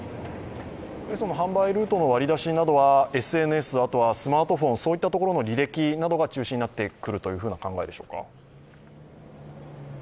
販売ルートの割り出しなどはＳＮＳ、あとはスマートフォン、そういったところの履歴などが中心になってくるという考えでしょうか。